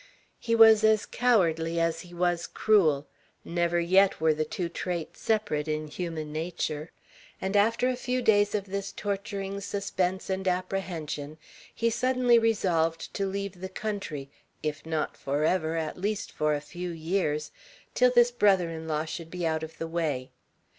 He was as cowardly as he was cruel: never yet were the two traits separate in human nature; and after a few days of this torturing suspense and apprehension, he suddenly resolved to leave the country, if not forever, at least for a few years, till this brother in law should be out of the way.